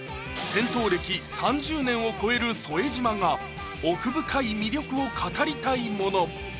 銭湯歴３０年を超える副島が奥深い魅力を語りたいもの